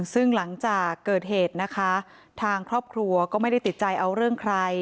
ซึ่งหลังจากเกิดเหตุนะคะทางครอบครัวก็ไม่ได้ติดใจเอาเรื่องใคร